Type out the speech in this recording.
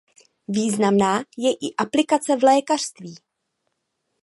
Významná je i aplikace v lékařství.